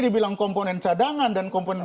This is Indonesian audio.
dibilang komponen cadangan dan komponen